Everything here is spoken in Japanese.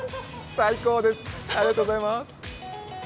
最高ですありがとうございます。